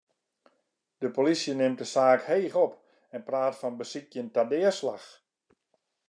De polysje nimt de saak heech op en praat fan besykjen ta deaslach.